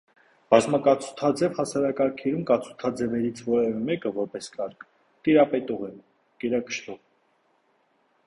Բազմակացութաձև հասարակարգերում կացութաձևերից որևէ մեկը, որպես կարգ, տիրապետող է, գերակշռող։